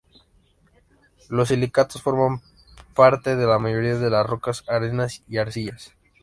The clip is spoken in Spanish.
Los silicatos forman parte de la mayoría de las rocas, arenas y arcillas.